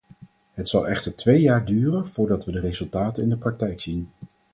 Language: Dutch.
Het zal echter twee jaar duren voordat we de resultaten in de praktijk zien.